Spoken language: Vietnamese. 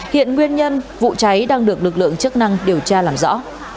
hiện nguyên nhân vụ cháy đang được lực lượng chức năng điều tra làm rõ